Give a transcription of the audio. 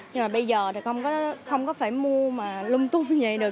nhưng mà bây giờ thì không có phải mua mà lung tung như vậy đâu